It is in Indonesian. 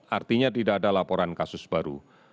artinya tidak ada laporan kasus baru